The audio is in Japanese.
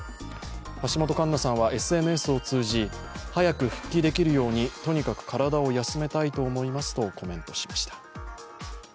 橋本環奈さんはＳＮＳを通じ、早く復帰できるようにとにかく体を休めたいと思いますとコメントしました。